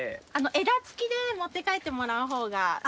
枝付きで持って帰ってもらうほうが。